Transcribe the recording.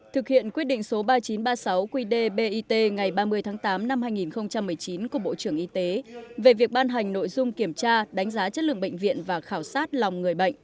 thực hiện quyết định số ba nghìn chín trăm ba mươi sáu qd bit ngày ba mươi tháng tám năm hai nghìn một mươi chín của bộ trưởng y tế về việc ban hành nội dung kiểm tra đánh giá chất lượng bệnh viện và khảo sát lòng người bệnh